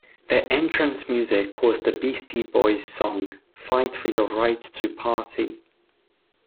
Their entrance music was the Beastie Boys' song "Fight For Your Right to Party".